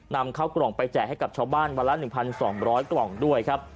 นำเข้ากล่องไปแจกให้กับชาวบ้านวันละ๑๒๐๐กล่องด้วยครับ